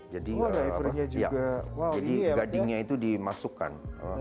jadi gadingnya itu dimasukkan